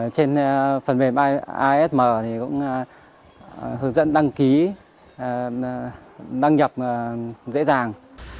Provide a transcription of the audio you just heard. trên phần mềm bay asm thì cũng hướng dẫn đăng ký đăng nhập dễ dàng